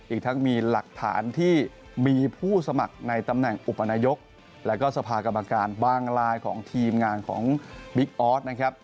อีกทั้งมีหลักฐานที่มีผู้สมัครในตำแหน่งอุปนายกแล้วก็สภากรรมการบางลายของทีมงานของบิ๊กออสนะครับ